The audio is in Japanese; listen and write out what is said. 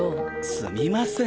すみません。